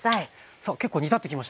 さあ結構煮立ってきましたね。